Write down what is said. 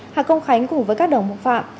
hà công khánh cùng với các đồng hộ phạm